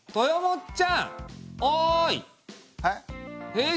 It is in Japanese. えっ？